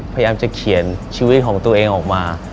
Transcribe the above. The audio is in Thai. พยายามจะเขียนชีวิตของตัวเองออกมา